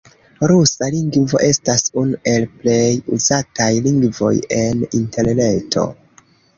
Rusa lingvo estas unu el plej uzataj lingvoj en interreto.